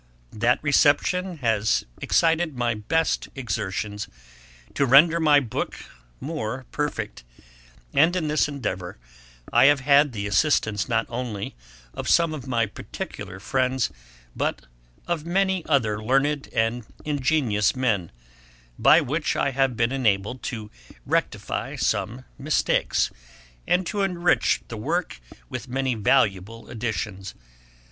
That reception has excited my best exertions to render my Book more perfect; and in this endeavour I have had the assistance not only of some of my particular friends, but of many other learned and ingenious men, by which I have been enabled to rectify some mistakes, and to enrich the Work with many valuable additions.